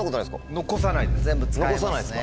残さないですか？